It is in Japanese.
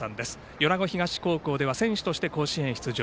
米子東高校では選手として甲子園出場。